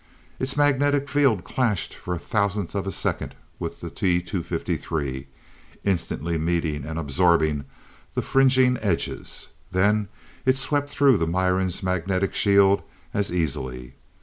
Its magnetic field clashed for a thousandth of a second with the T 253, instantly meeting, and absorbing the fringing edges. Then it swept through the Miran's magnetic shield as easily.